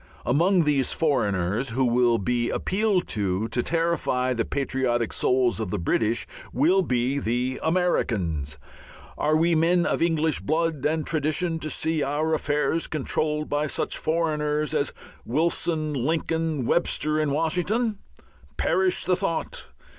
Among these "foreigners" who will be appealed to to terrify the patriotic souls of the British will be the "Americans." Are we men of English blood and tradition to see our affairs controlled by such "foreigners" as Wilson, Lincoln, Webster and Washington? Perish the thought!